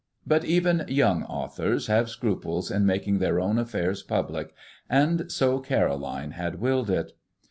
But even young authors have scruples in making their own affairs public, and so Caroline had willed it.